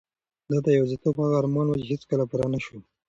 دا د یوازیتوب هغه ارمان و چې هیڅکله پوره نشو.